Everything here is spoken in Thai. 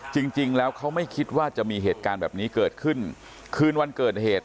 จริงแล้วเขาไม่คิดว่าจะมีเหตุการณ์แบบนี้เกิดขึ้นคืนวันเกิดเหตุ